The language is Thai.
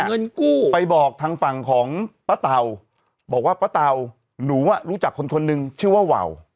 เงินกู้ไปบอกทางฝั่งของป้าเตาบอกว่าป้าเตาหนูอ่ะรู้จักคนคนหนึ่งชื่อว่าวาว